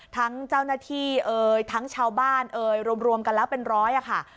ทั้งเจ้าหน้าที่เอ่ยทั้งชาวบ้านเอ่ยรวมกันแล้วเป็นร้อยค่ะ